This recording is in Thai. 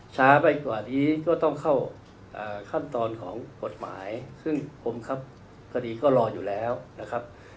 ช้าไปกว่านี้ก็ต้องเข้าขั้นตอนของกฎหมายซึ่งกรมคับคดีก็รออยู่แล้วนะครับ